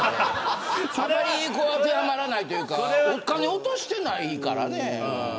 あまり当てはまらないというかお金を落としてないからね。